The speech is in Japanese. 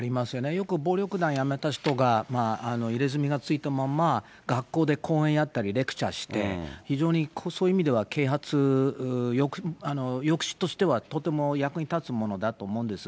よく暴力団やめた人が入れ墨がついたまんま学校で講演やったりレクチャーして、非常にそういう意味では、啓発、抑止としてはとても役に立つものだと思うんです。